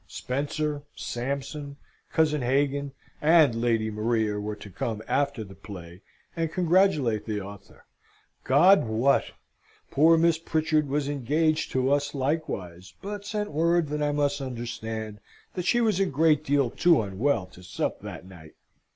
Spencer, Sampson, cousin Hagan, and Lady Maria were to come after the play, and congratulate the author, God wot! (Poor Miss Pritchard was engaged to us likewise, but sent word that I must understand that she was a great deal too unwell to sup that night.)